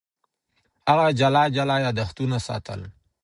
هغه جلا جلا یادښتونه ساتل.